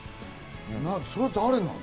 それは誰なの？